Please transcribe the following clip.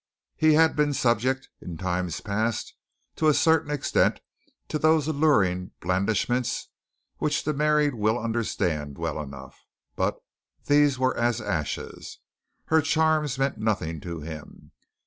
He had been subject, in times past, to a certain extent to those alluring blandishments which the married will understand well enough, but these were as ashes. Her charms meant nothing to him.